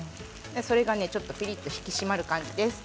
それが、ちょっとピリっと引き締まる感じです。